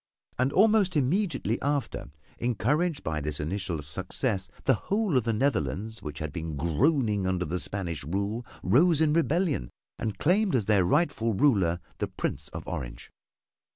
And almost immediately after, encouraged by this initial success, the whole of the Netherlands which had been groaning under the Spanish rule rose in rebellion and claimed as their rightful ruler the Prince of Orange.